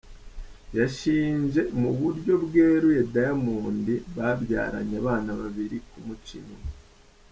Yashinje mu buryo bweruye Diamond babyaranye abana babiri kumuca inyuma.